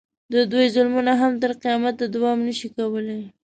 د دوی ظلمونه هم تر قیامته دوام نه شي کولی.